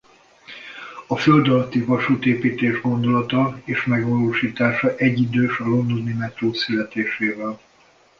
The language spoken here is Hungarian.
A földalatti vasútépítés gondolata és megvalósítása egyidős a londoni metró születésével.